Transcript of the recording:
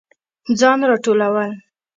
ځان راټولول